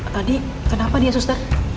tadi kenapa dia suster